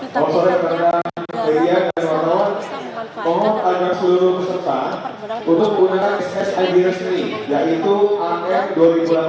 untuk pergerakan dan mencoba untuk memperbaiki pergerakan jika tidak boleh